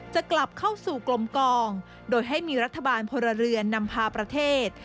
จะกลับเข้าสู่กลมกองโดยให้มีรัฐบาลพลเรือนนำพาประเทศ